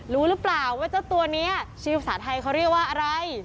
รู้หรือเปล่าว่าเจ้าตัวนี้ชื่อภาษาไทยเขาเรียกว่าอะไร